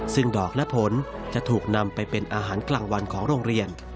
ซึ่งดอกและผลจะถูกนำไปเป็นอาหารกลางวันของโรงเรียน